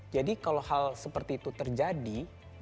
jadi kalau hal seperti itu terjadi